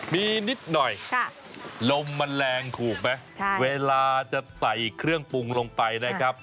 มีนิดหน่อยลมมันแรงถูกไหมเวลาจะใส่เครื่องปรุงลงไปนะครับ